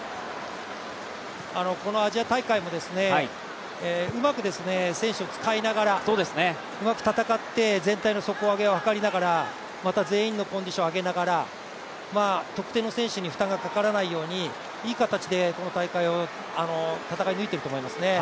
このアジア大会もうまく選手を使いながらうまく戦って全体の底上げを図りながらまた全員のコンディションを上げながら特定の選手に負担がかからないようにいい形でこの大会を戦い抜いていると思いますね。